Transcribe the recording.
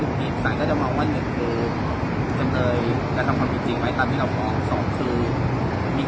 เรายังไม่เคยได้รับความรู้สึกนั้นเลยเรายังไม่เคยได้เห็นว่าเขาแบบมีความสุขหรือผิด